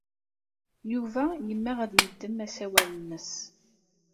Yuba yemmeɣ ad d-yeddem asawal-nnes.